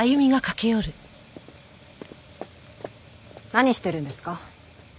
何してるんですか？